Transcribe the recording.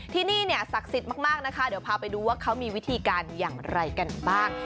ที่นี่เนี่ยศักดิ์สิทธิ์มากนะคะเดี๋ยวพาไปดูว่าเขามีวิธีการอย่างไรกันบ้าง